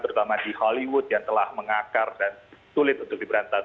terutama di hollywood yang telah mengakar dan sulit untuk diberantas